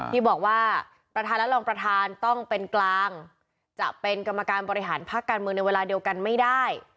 ที่บอกว่าประธานและรองประธานต้องเป็นกลางจะเป็นกรรมการบริหารพักการเมืองในเวลาเดียวกันไม่ได้